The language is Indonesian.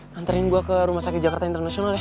nantarin gue ke rumah sakit jakarta internasional ya